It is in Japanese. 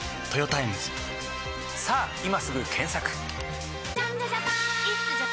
さぁ今すぐ検索！